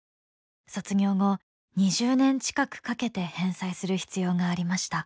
卒業後２０年近くかけて返済する必要がありました。